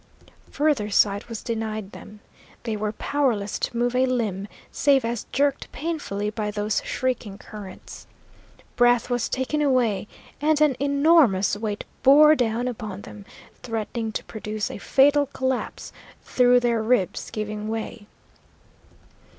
Further sight was denied them. They were powerless to move a limb, save as jerked painfully by those shrieking currents. Breath was taken away, and an enormous weight bore down upon them, threatening to produce a fatal collapse through their ribs giving way.